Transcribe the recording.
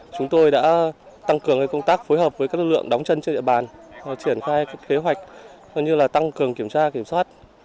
chúng tôi đã tăng cường công tác phối hợp với các lực lượng đóng chân trên địa bàn triển khai kế hoạch như là tăng cường kiểm tra kiểm soát